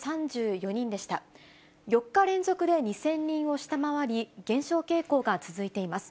４日連続で２０００人を下回り、減少傾向が続いています。